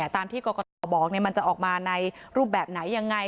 ตามที่กรกตบอกมันจะออกมาในรูปแบบไหนยังไง